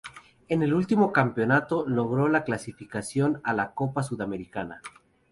En el último campeonato logró la clasificación a la Copa Sudamericana.